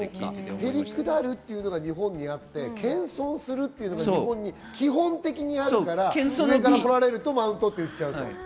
へりくだるというのが日本にはあって謙遜するというのは基本的にあるから、上から来られるとマウントと言っちゃう。